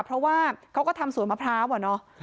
เพราะว่าเขาก็ทำสวนมะพร้าวอะเนาะ